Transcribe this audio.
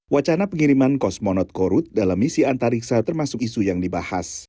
wacana pengiriman kosmonot korut dalam misi antariksa termasuk isu yang dibahas